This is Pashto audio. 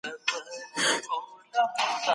د وینې شکر اندازه د پلی تګ وروسته راټیټه شوه.